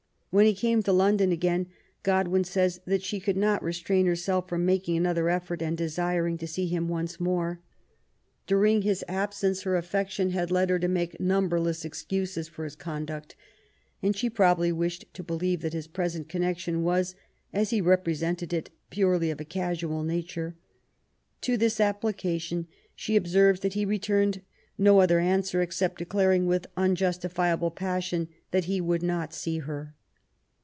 When he came to London again, Godwin says that *' she could not restrain herself from making another effort, and desiring to see him once more. During his absence. 150 MARY WOLLaTONECBAFT GODWIN. affection had led her to make namberless excuses for his conduct, and she probably wished to believe that his present connection was, as he represented it, purely of a casual nature. To this application she observes that he returned no other answer^ except declaring, with unjustifiable passion, that he would not see her.